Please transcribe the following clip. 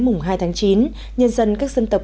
mùng hai tháng chín nhân dân các dân tộc